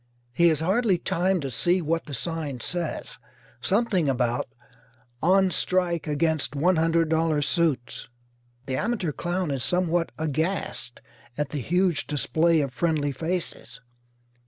He has hardly time to see what the sign says something about "On Strike Against $100 Suits." The amateur clown is somewhat aghast at the huge display of friendly faces.